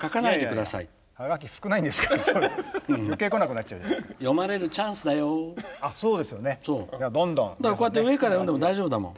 だからこうやって上から読んでも大丈夫だもん。